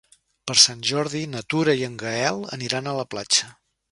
Per Sant Jordi na Tura i en Gaël aniran a la platja.